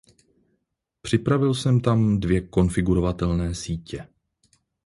Připravil jsem tam dvě konfigurovatelné sítě.